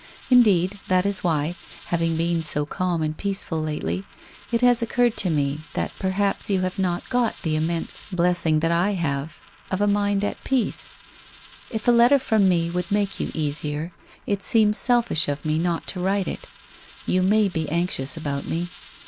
Indeed, that is why, having been so calm and peaceful lately, it has occurred to me that perhaps you have aoi got the immense bless lOfi 406 WHITE ROSE OF WEARY LEAF ing that I have, of a mind at peace? If a letter from me would make you easier, it seems selfish of me not to write it You may be anxious about me?